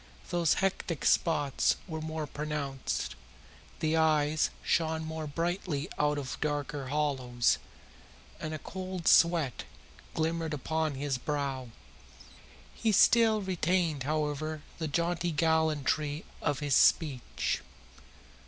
Those hectic spots were more pronounced, the eyes shone more brightly out of darker hollows, and a cold sweat glimmered upon his brow. He still retained, however, the jaunty gallantry of his speech.